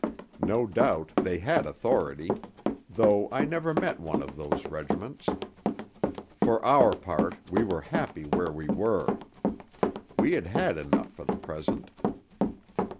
No doubt they had authority: though I never met one of those regiments. For our part we were happy where we were. We had had enough for the present.